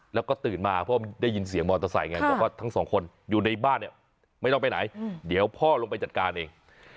แล้วก็ตื่นมาเพราะได้ยินเสียงมอเตอร์ไซค์ไงบอกว่าทั้งสองคนอยู่ในบ้านเนี่ยไม่ต้องไปไหนเดี๋ยวพ่อลงไปจัดการเอง